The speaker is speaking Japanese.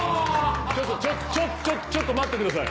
ちょっとちょっとちょっと待ってください。